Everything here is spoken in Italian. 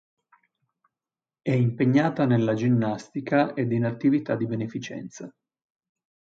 È impegnata nella ginnastica ed in attività di beneficenza.